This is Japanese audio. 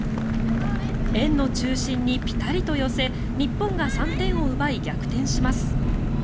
円の中心にピタリと寄せ日本が３点を奪い、逆転します。